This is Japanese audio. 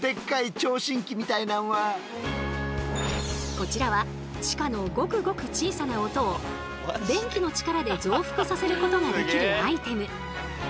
こちらは地下のごくごく小さな音を電気の力で増幅させることができるアイテム。